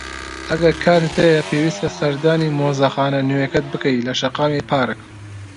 ئەگەر کاتت هەیە، پێویستە سەردانی مۆزەخانە نوێیەکە بکەیت لە شەقامی پارک.